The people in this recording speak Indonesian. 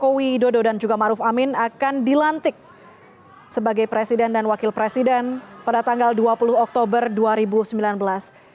kami masih menunggu pernyataan pers yang mungkin akan dilakukan oleh presiden dan wakil presiden terpilih